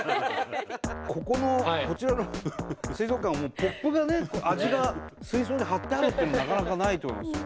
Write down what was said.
ここのこちらの水族館はもうポップがね味が水槽に貼ってあるっていうのなかなかないと思いますよ。